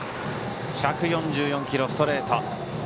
１４４キロ、ストレート。